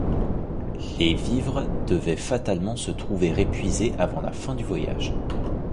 Les vivres devaient fatalement se trouver épuisés avant la fin du voyage.